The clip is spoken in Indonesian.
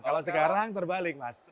kalau sekarang terbalik mas